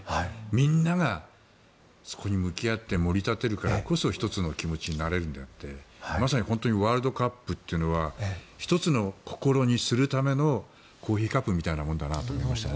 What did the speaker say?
みんながそこに向き合って盛り立てるからこそ一つの気持ちになれるのであってまさにワールドカップというのは一つの心にするためのコーヒーカップみたいなものだと思いました。